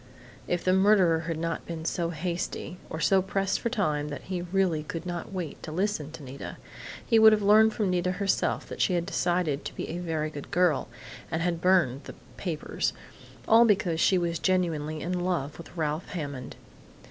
If the murderer had not been so hasty or so pressed for time that he really could not wait to listen to Nita he would have learned from Nita herself that she had decided to be a very good girl, and had burned the 'papers' all because she was genuinely in love with Ralph Hammond....